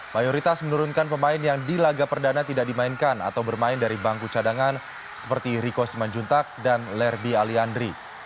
mayoritas menurunkan pemain yang di laga perdana tidak dimainkan atau bermain dari bangku cadangan seperti riko simanjuntak dan lerby alianri